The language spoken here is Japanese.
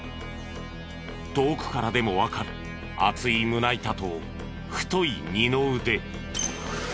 遠くからでもわかる厚い胸板と太い二の腕。